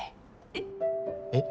えっ？えっ？